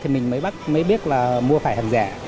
mình mới biết là mua phải hàng giả